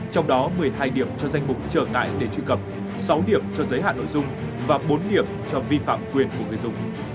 trong đó một mươi hai điểm cho danh mục trở ngại để truy cập sáu điểm cho giới hạn nội dung và bốn điểm cho vi phạm quyền của người dùng